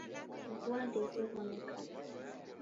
Vua ndeiwewonekana.